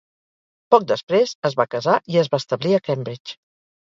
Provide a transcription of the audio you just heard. Poc després es va casar i es va establir a Cambridge.